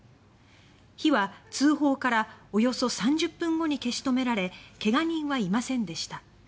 火は通報からおよそ３０分後に消し止められ怪我人はいませんでした。